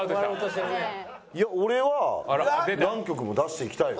いや俺は何曲も出していきたいよ。